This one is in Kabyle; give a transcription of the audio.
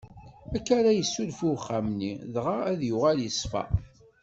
Akka ara yessuref i uxxam-nni, dɣa ad yuɣal iṣfa.